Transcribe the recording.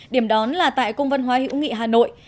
điểm đón là tại cung văn hóa hữu nghị hà nội